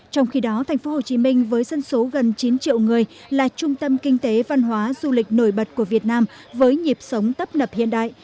trong khi đó tp hcm với dân số gần chín triệu người là trung tâm kinh tế văn hóa du lịch nổi bật của việt nam với nhịp sống tấp nập hiện đại